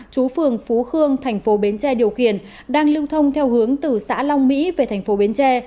chú phường phú khương thành phố bến tre điều khiển đang lưu thông theo hướng từ xã long mỹ về thành phố bến tre